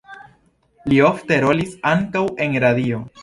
Li ofte rolis ankaŭ en radio.